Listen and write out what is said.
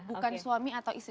bukan suami atau istri